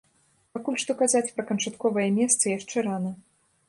Пакуль што казаць пра канчатковае месца яшчэ рана.